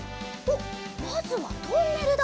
まずはトンネルだ。